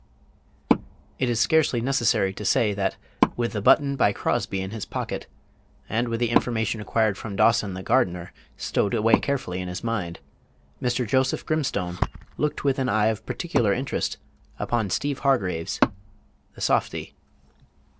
It is scarcely necessary to say that, with the button by Crosby in his pocket, and with the information acquired from Dawson, the gardener, stowed away carefully in his mind, Mr. Joseph Grimstone looked with an eye of particular interest upon Steeve Hargraves, the softy.